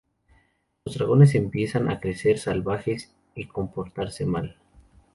Los dragones empiezan a crecer salvajes y comportarse mal.